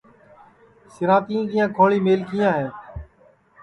سِراتیے کیاں کھوݪی میلکھیاں ہے